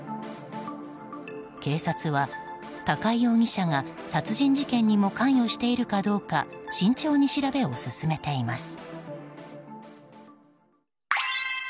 警察は、高井容疑者が殺人事件にも関与しているかどうか慎重に調べを進めています。